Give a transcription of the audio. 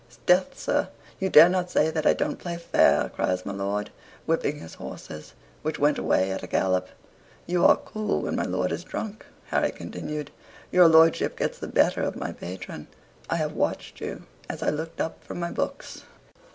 "'Sdeath, sir, you dare not say that I don't play fair?" cries my lord, whipping his horses, which went away at a gallop. "You are cool when my lord is drunk," Harry continued; "your lordship gets the better of my patron. I have watched you as I looked up from my books."